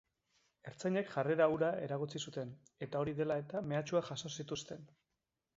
Ertzainek jarrera hura eragotzi zuten, eta hori dela eta mehatxuak jaso zituzten.